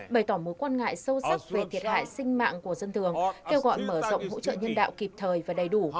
bày tỏ mối quan ngại sâu sắc về thiệt hại sinh mạng của dân thường kêu gọi mở rộng hỗ trợ nhân đạo kịp thời và đầy đủ